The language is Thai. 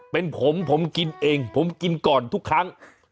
เป็นผมผมกินเองผมกินก่อนทุกครั้ง